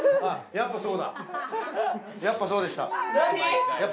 やっぱそうでした。